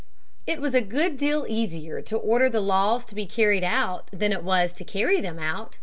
It was a good deal easier to order the laws to be carried out than it was to carry them out.